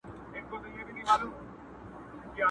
مسافر پر لاري ځکه د ارمان سلګی وهمه؛